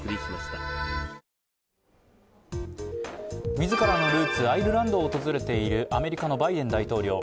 自らのルーツ、アイルランドを訪れているアメリカのバイデン大統領。